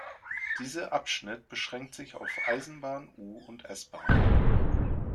Diese Abschnitt beschränkt sich auf Eisenbahn, U- und S-Bahn.